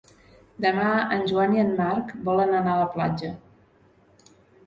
Demà en Joan i en Marc volen anar a la platja.